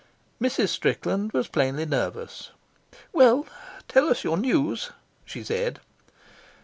Mrs. Strickland was plainly nervous. "Well, tell us your news," she said.